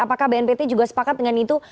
apakah bnpt juga sepakat dengan itu